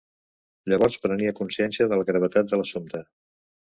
Llavors prenia consciència de la gravetat de l'assumpte.